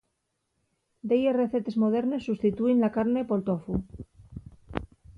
Delles recetes modernes sustitúin la carne pol tofu.